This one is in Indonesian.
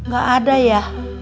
gak ada ya